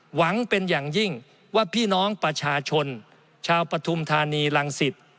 หวังเป็นอย่างยิ่งว่าพี่น้องประชาชนชาวปฐุมธานีรังสิต